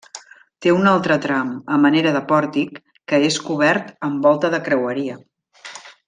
Té un altre tram, a manera de pòrtic, que és cobert amb volta de creueria.